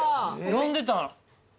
呼んでたん？